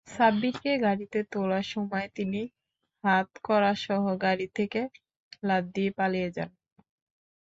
সাব্বিরকে গাড়িতে তোলার সময় তিনি হাতকড়াসহ গাড়ি থেকে লাফ দিয়ে পালিয়ে যান।